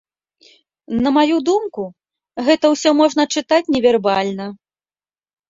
На маю думку, гэта ўсё можна чытаць невербальна.